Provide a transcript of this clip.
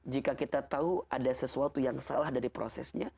jika kita tahu ada sesuatu yang salah dari prosesnya